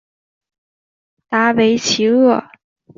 达韦齐厄。